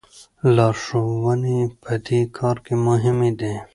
لارښوونې په دې کار کې مهمې دي.